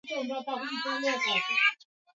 Viazi lishe ni vitamu